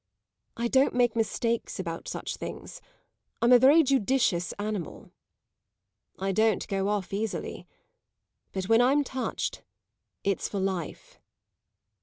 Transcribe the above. I don't make mistakes about such things; I'm a very judicious animal. I don't go off easily, but when I'm touched, it's for life.